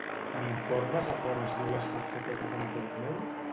M'informes de com es diu l'espectacle que fan a prop meu?